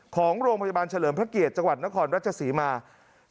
ของโรงพยาบาลเฉลิมพระเกียรติจังหวัดนครราชศรีมา